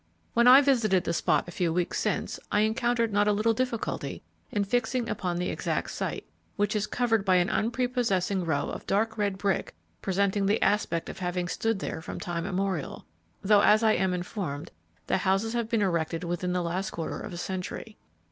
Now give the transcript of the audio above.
When I visited the spot a few weeks since I encountered not a little difficulty in fixing upon the exact site, which is covered by an unprepossessing row of dark red brick, presenting the aspect of having stood there from time immemorial, though as I am informed, the houses have been erected within the last quarter of a century.